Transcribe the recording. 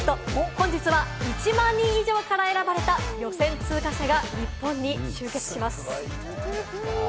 本日は１万人以上から選ばれた予選通過者が日本に集結します。